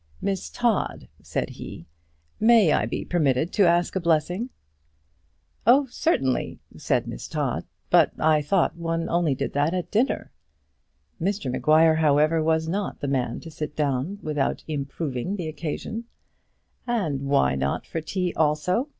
"Miss Todd," said he, "may I be permitted to ask a blessing?" "Oh, certainly," said Miss Todd; "but I thought one only did that at dinner." Mr Maguire, however, was not the man to sit down without improving the occasion. "And why not for tea also?"